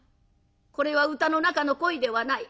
これは歌の中の恋ではない。